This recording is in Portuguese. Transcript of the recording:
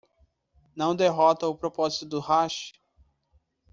Não derrota o propósito do hash?